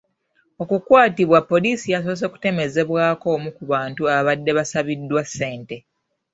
Okukwatibwa poliisi yasoose kutemezebwako omu ku bantu ababadde basabiddwa ssente.